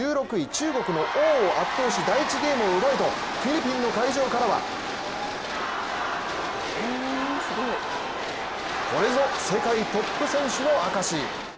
中国のオウを圧倒し第１ゲームを奪うとフィリピンの会場からはこれぞ世界トップ選手の証し。